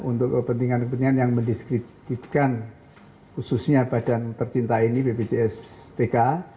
untuk kepentingan kepentingan yang mendiskreditkan khususnya badan tercinta ini bpjs tk